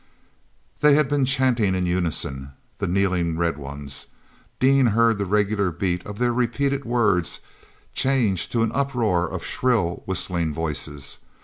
They had been chanting in unison, the kneeling red ones. Dean heard the regular beat of their repeated words change to an uproar of shrill, whistling voices.